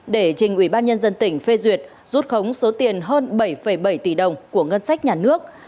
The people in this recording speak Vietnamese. để trình ubnd tỉnh phê duyệt rút khống số tiền hơn bảy bảy tỷ đồng của ngân sách nhà nước